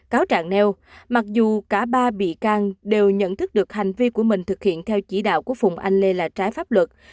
cáo trạng nêu mặc dù cả ba bị can đều nhận thức được hành vi của mình thực hiện theo chỉ đạo của phùng anh lê là trái pháp luật